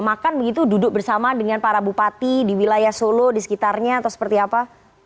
makan begitu duduk bersama dengan para bupati di wilayah solo di sekitarnya atau seperti apa